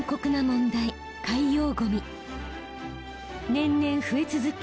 年々増え続け